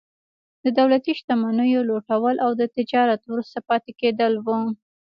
د دولتي شتمنیو لوټول او د تجارت وروسته پاتې کېدل وو.